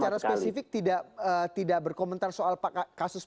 secara spesifik tidak berkomentar soal pak kapitra kasus perjuangan ini stat